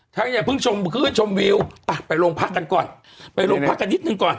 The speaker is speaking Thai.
ทางใหญ่เพิ่งชมคลื่นชมวิวไปลงพักกันก่อนไปลงพักกันนิดหนึ่งก่อน